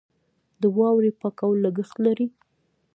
د واورې پاکول لګښت لري.